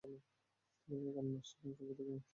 তোমার এই গান এবং নাচ শিখার শখ কবে থেকে হলো?